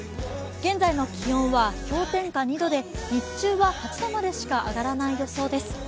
現在の気温は氷点下２度で日中は８度までしか上がらない予報です。